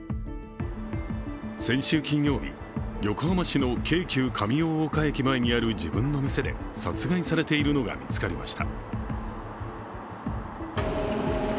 先週金曜日、横浜市の京急上大岡駅前にある自分の店で殺害されているのが見つかりました。